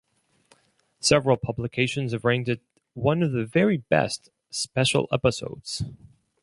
Several publications have ranked it one of the best very special episodes.